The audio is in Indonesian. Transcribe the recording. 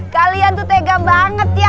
kalian tuh tega banget ya